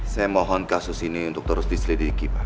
saya mohon kasus ini untuk terus diselidiki pak